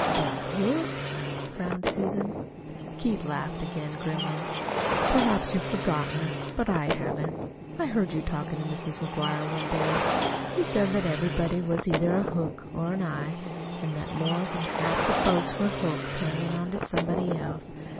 "The hook?" frowned Susan. Keith laughed again grimly. "Perhaps you've forgotten but I haven't. I heard you talking to Mrs. McGuire one day. You said that everybody was either a hook or an eye, and that more than half the folks were hooks hanging on to somebody else.